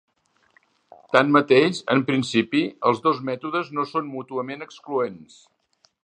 Tanmateix, en principi, els dos mètodes no són mútuament excloents.